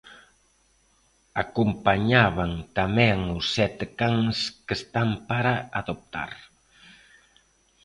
Acompañaban tamén os sete cans que están para adoptar.